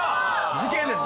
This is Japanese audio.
「事件です！